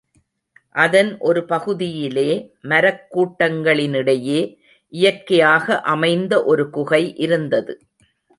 அதன் ஒரு பகுதியிலே மரக் கூட்டங்களினிடையே இயற்கையாக அமைந்த ஒரு குகை இருந்தது.